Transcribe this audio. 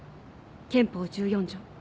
憲法１４条。